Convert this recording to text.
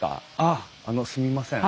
あああのすみません。